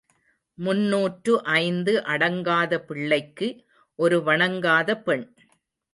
முன்னூற்று ஐந்து அடங்காத பிள்ளைக்கு ஒரு வணங்காத பெண்.